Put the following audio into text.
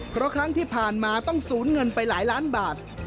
เพราะครั้งที่ผ่านมาต้องสูญเงินไปหลายล้านบาท